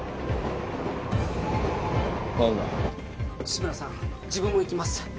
志村さん自分も行きます